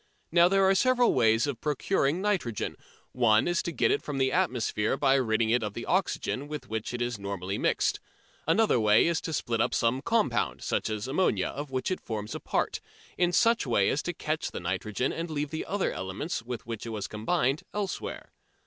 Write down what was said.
Now there are several ways of procuring nitrogen. One is to get it from the atmosphere by ridding it of the oxygen with which it is normally mixed. Another way is to split up some compound, such as ammonia, of which it forms a part, in such a way as to catch the nitrogen and leave the other elements with which it was combined elsewhere.